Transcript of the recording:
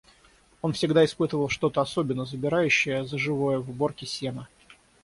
Он всегда испытывал что-то особенно забирающее за живое в уборке сена.